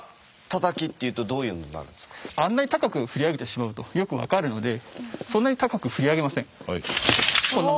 あんなに高く振り上げてしまうとよく分かるのでそんなに高く振り上げません。